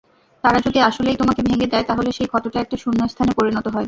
তারা যদি আসলেই তোমাকে ভেঙে দেয়, তাহলে সেই ক্ষতটা একটা শূন্যস্থানে পরিণত হয়।